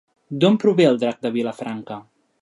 D'on prové el Drac de Vilafranca?